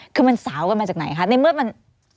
คือมันสาวกันมาจากไหนคะในเมื่อมัน